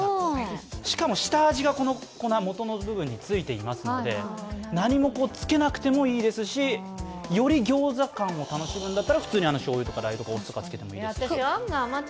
しかも下味がもとの部分についてますので何もつけなくてもいいですし、よりギョーザ感を楽しむんだったら普通にしょうゆとかラー油とかつけてもらって。